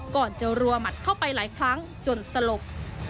ก่อนจะรัวหมัดเข้าไปหลายครั้งจนสลบ